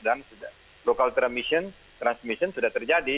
dan local transmission sudah terjadi